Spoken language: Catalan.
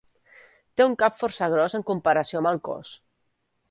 Té un cap força gros en comparació amb el cos.